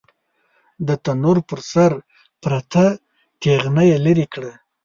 د تنور پر سر پرته تېغنه يې ليرې کړه.